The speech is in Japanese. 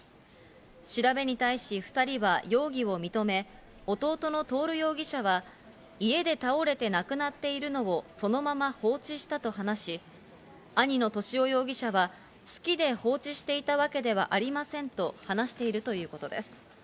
調べに対し２人は容疑を認め、弟の徹容疑者は、家で倒れて亡くなっているのをそのまま放置したと話し、兄の敏夫容疑者は好きで放置していたわけではありませんと話しているということです。